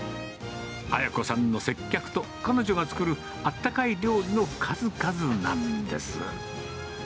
あや子さんの接客と、彼女が作るあったかい料理の数々なんです。